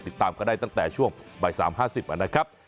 ติดตามก็ได้ตั้งแต่ช่วงบ่าย๓๕๐นะครับ